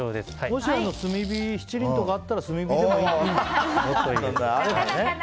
もし、七輪とかがあったら炭火でもいいですか？